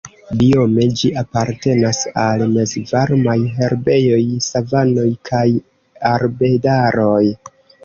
Biome ĝi apartenas al Mezvarmaj herbejoj, savanoj kaj arbedaroj.